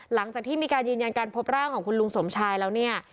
หลังจากที่มีการยืนยันการพบร่างของคุณลุงสมชายแล้วเนี่ย